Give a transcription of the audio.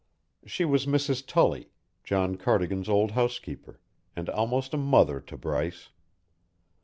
She was Mrs. Tully, John Cardigan's old housekeeper, and almost a mother to Bryce.